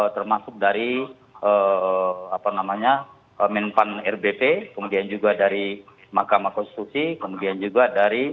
termasuk dari apa namanya men fund rbp kemudian juga dari mahkamah konstitusi kemudian juga dari